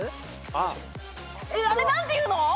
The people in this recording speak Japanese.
あれ何ていうの？